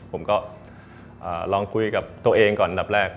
ผมก็ลองคุยกับตัวเองก่อนอันดับแรก